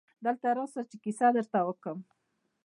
دلته راسه چي کیسه درته وکم.